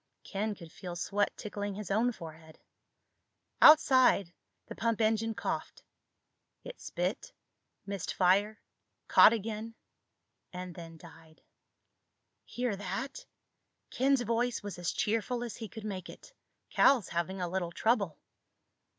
Ken could feel sweat tickling his own forehead. Outside, the pumping engine coughed. It spit, missed fire, caught again, and then died. "Hear that?" Ken's voice was as cheerful as he could make it. "Cal's having a little trouble."